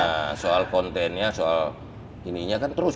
nah soal kontennya soal ininya kan terus